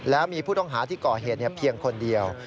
แล้วมีผู้ต้องหาที่ก่อเหตุเพียงคนเดียว